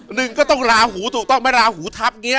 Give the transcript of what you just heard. หนึ่งก็ต้องราหูถูกต้องราหูทัพ